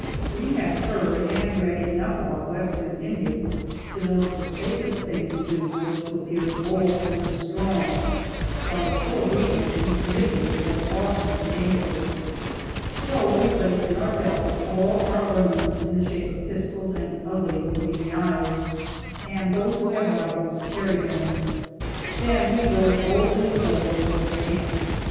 We had heard and read enough about Western Indians to know that the safest thing to do was to appear bold and strong, while a show of weakness and timidity was often dangerous. So we placed in our belts all our ornaments in the shape of pistols and ugly looking knives, and those who had rifles carried them. Then we drove boldly forward toward the camp.